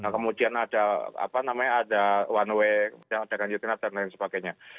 kemudian ada apa namanya ada one way dan ada ganjur kena dan lain sebagainya